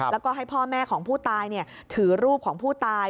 แล้วก็ให้พ่อแม่ของผู้ตายถือรูปของผู้ตาย